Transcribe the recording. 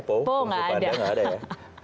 pou nggak ada